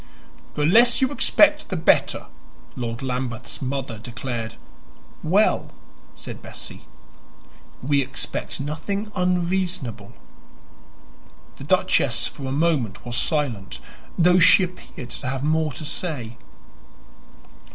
"The less you expect, the better," Lord Lambeth's mother declared. "Well," said Bessie, "we expect nothing unreasonable." The duchess for a moment was silent, though she appeared to have more to say.